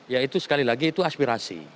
ya itu sekali lagi itu aspirasi